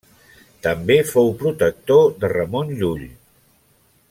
També fou protector de Ramon Llull.